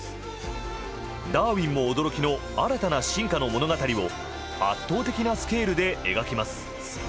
ダーウィンも驚きの新たな進化の物語を圧倒的なスケールで描きます。